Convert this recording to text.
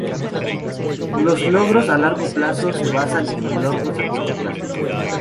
Los logros a largo plazo se basan en los logros a corto plazo.